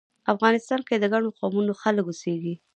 افغانستان کې د ګڼو قومونو خلک اوسیږی